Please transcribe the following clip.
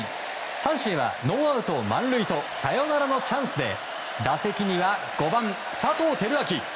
阪神はノーアウト満塁とサヨナラのチャンスで打席には５番、佐藤輝明。